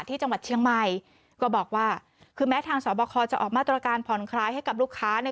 ที่จังหวัดเชียงใหม่ก็บอกว่าคือแม้ทางสอบคอจะออกมาตรการผ่อนคลายให้กับลูกค้าเนี่ย